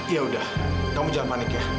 yaudah kamu jangan panik ya